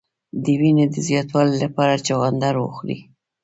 د وینې د زیاتوالي لپاره چغندر وخورئ